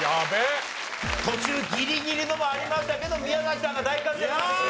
途中ギリギリのもありましたけど宮崎さんが大活躍でございました。